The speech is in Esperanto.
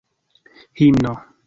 himno